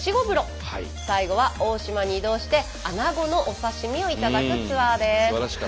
最後は大島に移動してあなごのお刺身を頂くツアーです。